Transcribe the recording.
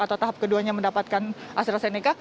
atau tahap keduanya mendapatkan astrazeneca